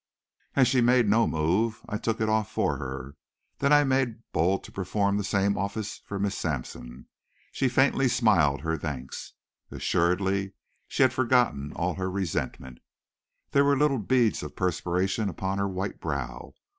As she made no move, I took it off for her. Then I made bold to perform the same office for Miss Sampson. She faintly smiled her thanks. Assuredly she had forgotten all her resentment. There were little beads of perspiration upon her white brow.